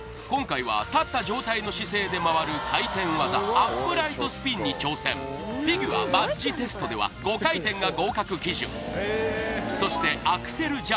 今回は立った状態の姿勢で回る回転技アップライトスピンに挑戦フィギュアバッジテストでは５回転が合格基準そしてアクセル